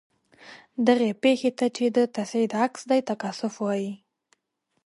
دغې پیښې ته چې د تصعید عکس دی تکاثف وايي.